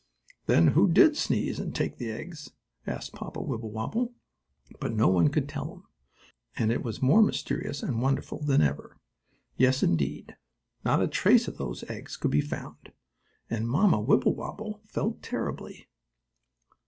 "Then who did sneeze and take the eggs?" asked Papa Wibblewobble. But no one could tell him, and it was more mysterious and wonderful than ever, yes indeed. Not a trace of those eggs could be found, and Mamma Wibblewobble felt terribly.